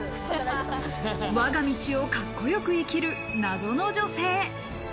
わが道をカッコよく生きる、謎の女性。